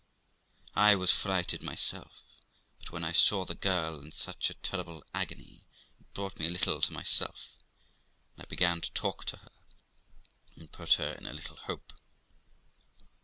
I was frighted myself, but when I saw the girl in such a terrible agony, it brought me a little to myself, and I began to talk to her, and put her in a little hope.